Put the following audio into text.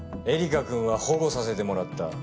エリカくんは保護させてもらった。